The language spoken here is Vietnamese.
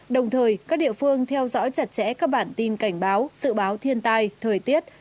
đồng thời các địa phương theo dõi chặt chẽ các bản tin cảnh báo sự báo thiên tai thời tiết